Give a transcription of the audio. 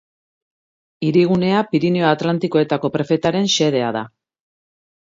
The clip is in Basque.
Hirigunea Pirinio Atlantikoetako prefetaren xedea da.